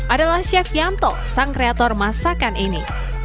adalah chef yanto sang kreator masakan ini